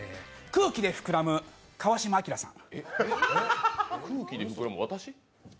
空気で膨らむ川島明さん。